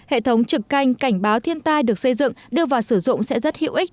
hệ thống trực canh cảnh báo thiên tai được xây dựng đưa vào sử dụng sẽ rất hữu ích